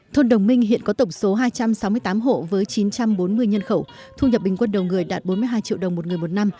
thôn đồng minh hiện có tổng số hai trăm sáu mươi tám hộ với chín trăm bốn mươi nhân khẩu thu nhập bình quân đầu người đạt bốn mươi hai triệu đồng một người một năm